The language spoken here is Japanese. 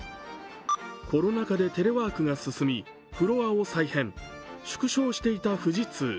コロナ禍でテレワークが進みフロアを再編・縮小していた富士通。